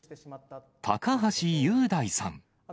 高橋侑大さん。